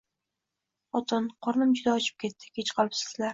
Xotin, qornim juda ochib ketdi, kech qolibsizlar.